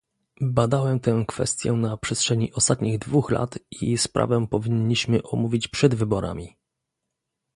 Badałem tę kwestię na przestrzeni ostatnich dwóch lat i sprawę powinniśmy omówić przed wyborami